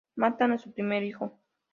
Matan a su primer hijo.